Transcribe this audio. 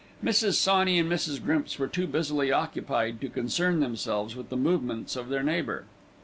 Mrs. Sawney and Mrs. Grimps were too busily occupied to concern themselves with the movements of their neighbour.